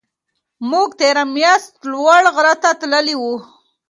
موږ تېره میاشت لوړ غره ته تللي وو.